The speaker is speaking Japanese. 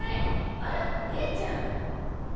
あら玲ちゃん。